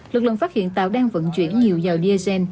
lực lượng phát hiện tàu đang vận chuyển nhiều dầu diesel